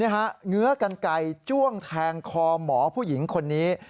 เงื้อกันไกลจ้วงแทงคอหมอผู้หญิงคนนี้